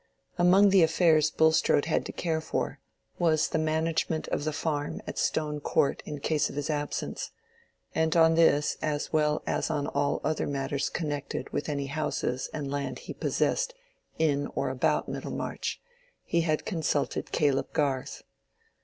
Among the affairs Bulstrode had to care for, was the management of the farm at Stone Court in case of his absence; and on this as well as on all other matters connected with any houses and land he possessed in or about Middlemarch, he had consulted Caleb Garth.